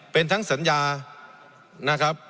เป็นทั้งสัญญานะครับ